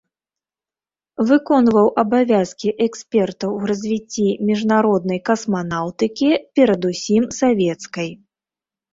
Выконваў абавязкі эксперта ў развіцці міжнароднай касманаўтыкі, перад усім савецкай.